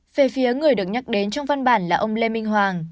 về phía người được nhắc đến trong văn bản là ông lê minh hoàng